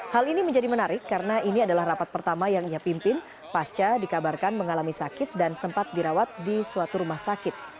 hal ini menjadi menarik karena ini adalah rapat pertama yang ia pimpin pasca dikabarkan mengalami sakit dan sempat dirawat di suatu rumah sakit